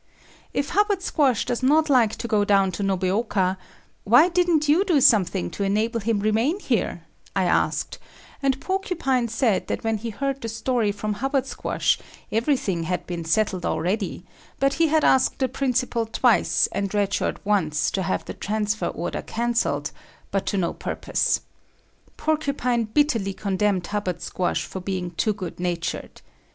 "If Hubbard Squash does not like to go down to Nobeoka, why didn't you do something to enable him remain here," I asked, and Porcupine said that when he heard the story from Hubbard Squash, everything had been settled already, but he had asked the principal twice and Red Shirt once to have the transfer order cancelled, but to no purpose. Porcupine bitterly condemned Hubbard Squash for being too good natured.